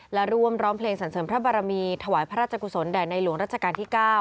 และร่วมร้องเพลงสรรเสริมพระบารมีถวายพระราชกุศลแด่ในหลวงรัชกาลที่๙